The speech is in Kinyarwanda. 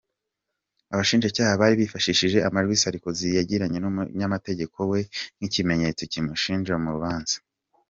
Abashinjacyaha bari bifashishije amajwi Sarkozy yagiranye n’umunyamategeko we nk’ikimeneytso kimushinja mu rubanza.